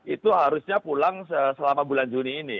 itu harusnya pulang selama bulan juni ini